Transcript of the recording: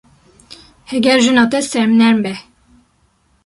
Heger jina te sernerm be.